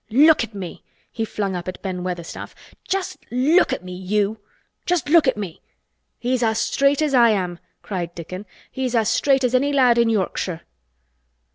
"Look at me!" he flung up at Ben Weatherstaff. "Just look at me—you! Just look at me!" "He's as straight as I am!" cried Dickon. "He's as straight as any lad i' Yorkshire!"